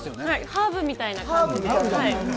ハーブみたいな感じで。